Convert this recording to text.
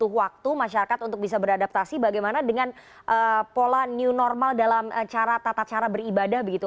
butuh waktu masyarakat untuk bisa beradaptasi bagaimana dengan pola new normal dalam cara tata cara beribadah begitu